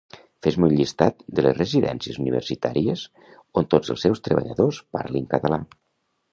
Fes-me un llistat de les Residències Universitàries on tots els seus treballadors parlin català